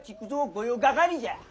御用掛じゃ！